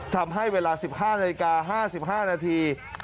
ทำให้เวลา๑๕นาฬิกา๕๕นาที